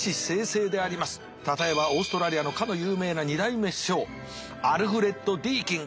例えばオーストラリアのかの有名な２代目首相アルフレッド・ディーキン